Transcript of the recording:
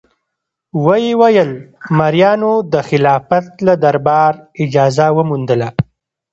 ویې ویل: مریانو د خلافت له دربار اجازه وموندله.